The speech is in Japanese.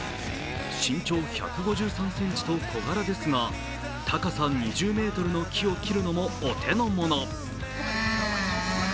身長１５３ｃｍと小柄ですが高さ２０ｍの木を切るのもお手の物。